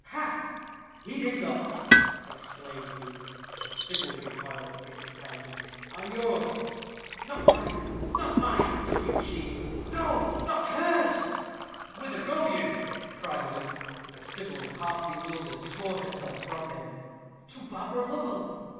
"Ha!" "Heed him not," exclaimed Luke, as Sybil recoiled at this intelligence. "I am yours." "Not mine! not mine!" shrieked she; "but, oh! not hers!" "Whither go you?" cried Luke, as Sybil, half bewildered, tore herself from him. "To Barbara Lovel."